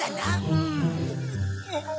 うん。